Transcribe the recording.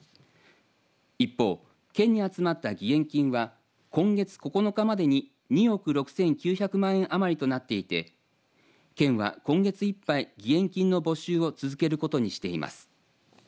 一方、県に集まった義援金は今月９日までに２億６９００万円余りとなっていて県は今月いっぱい義援金の募集を続けることにしています。